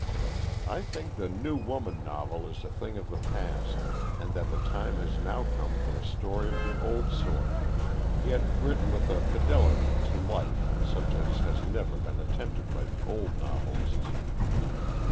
I think the New Woman novel is a thing of the past, and that the time has now come for a story of the old sort, yet written with a fidelity to life such as has never been attempted by the old novelists.